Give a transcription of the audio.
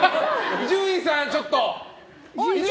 伊集院さん、ちょっと！